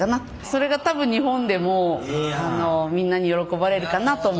それが多分日本でもみんなに喜ばれるかなと思って。